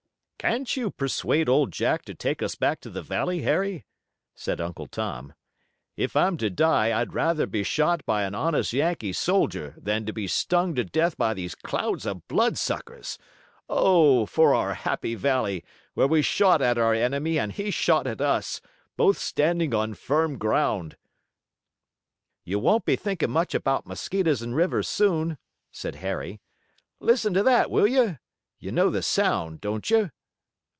"Can't you persuade Old Jack to take us back to the valley, Harry?" said Happy Tom. "If I'm to die I'd rather be shot by an honest Yankee soldier than be stung to death by these clouds of bloodsuckers. Oh, for our happy valley, where we shot at our enemy and he shot at us, both standing on firm ground!" "You won't be thinking much about mosquitoes and rivers soon," said Harry. "Listen to that, will you! You know the sound, don't you?"